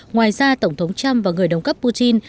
ngoài ra tổng thống trump và người đồng cấp putin